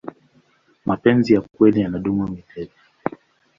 mapenzi ya kweli yanadumu milele